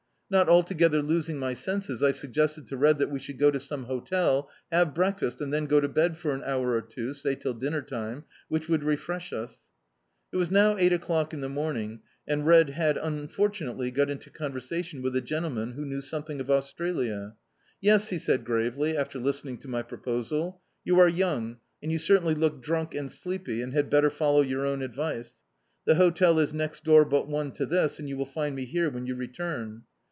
Not altogether losing my senses, I suggested to Red that we should go to some hotel, have breakfast, and then go to bed for an hour or two, say till dinner time, which would rc fre^ us. It was now ei^t o'clock in the morning and Red had unfortunately got into conversation with a gentleman who knew something of Australia. "Yes," he said, gravely, after listening to my pro posal — "you are young, and you ccrt^nly look drunk and sleepy, and had better follow your own advice. The hotel is next door but one to this, and you will find me here when you return."